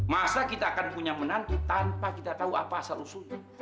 masa kita akan punya menantu tanpa kita tahu apa asal usulnya